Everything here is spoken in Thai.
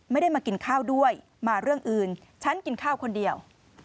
ไม่ได้มากินข้าวด้วยมาเรื่องอื่นฉันกินข้าวคนเดียว